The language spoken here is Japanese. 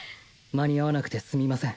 間に合わなくてすみません。